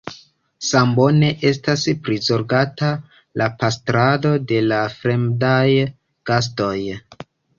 Sambone estas prizorgata la pastrado de la fremdaj gastoj.